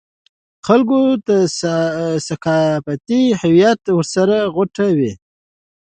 د خلکو ثقافتي هویت ورسره غوټه وي.